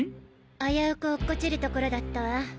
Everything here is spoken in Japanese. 危うく落っこちるところだったわ。